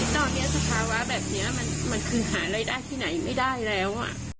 ตอนนี้สภาวะแบบนี้มันคือหารายได้ที่ไหนไม่ได้แล้ว